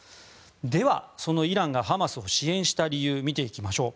では、そのイランがハマスを支援した理由見ていきましょう。